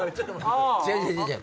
違う違う違う！